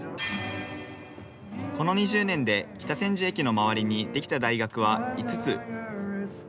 この２０年で、北千住駅の周りに出来た大学は５つ。